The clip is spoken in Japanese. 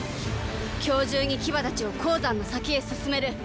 今日中に騎馬たちを黄山の先へ進める。